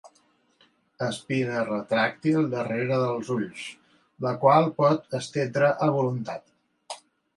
Espina retràctil darrere dels ulls, la qual pot estendre a voluntat.